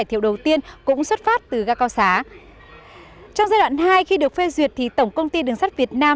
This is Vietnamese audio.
trong giai đoạn hai khi được phê duyệt thì tổng công ty đường sắt việt nam